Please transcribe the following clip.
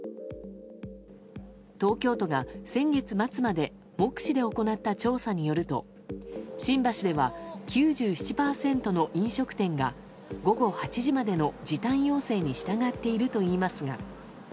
東京都が先月末まで目視で行った調査によると新橋では９７％の飲食店が午後８時までの時短要請に従っているといいますが。